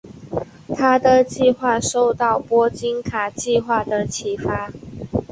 他的计划受到波金卡计划的启发。